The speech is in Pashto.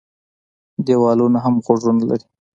ـ دیوالونه هم غوږونه لري.